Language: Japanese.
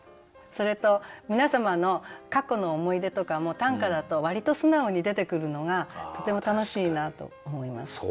それと皆様の過去の思い出とかも短歌だと割と素直に出てくるのがとても楽しいなと思います。